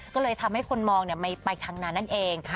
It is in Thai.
ก็เลยทำให้คนมองไปทางนั้นนั่นเอง